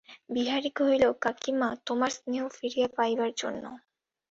বিহারী কহিল, কাকীমা, তোমার স্নেহ ফিরিয়া পাইবার জন্য।